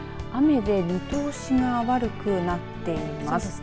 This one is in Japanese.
雨で見通しが悪くなっています。